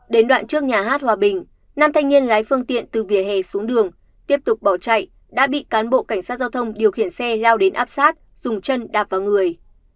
đến đoạn trước nhà hát hòa bình nam thanh niên lái phương tiện từ vỉa hè xuống đường tiếp tục bỏ chạy đã bị cán bộ cảnh sát giao thông điều khiển xe lao đến áp sát dùng chân đạp vào người